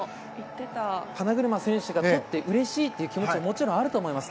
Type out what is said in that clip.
花車選手が勝ってうれしいという気持ちはもちろんあると思います。